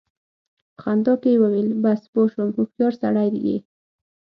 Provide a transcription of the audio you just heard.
په خندا کې يې وويل: بس! پوه شوم، هوښيار سړی يې!